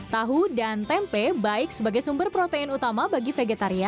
tahu dan tempe baik sebagai sumber protein utama bagi vegetarian yang tidak membutuhkan